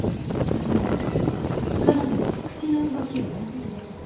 それなら彼女の口の動きを分析できる。